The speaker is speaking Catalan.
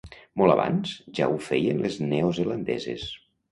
Molt abans, ja ho feien les neozelandeses.